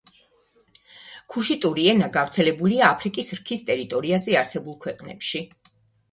ქუშიტური ენა გავრცელებულია აფრიკის რქის ტერიტორიაზე არსებულ ქვეყნებში.